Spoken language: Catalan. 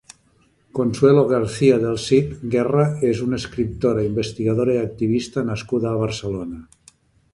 Consuelo García del Cid Guerra és una escriptora, investigadora i activista nascuda a Barcelona.